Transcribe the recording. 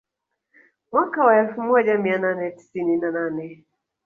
Mwaka wa elfu moja mia nane tisini na nane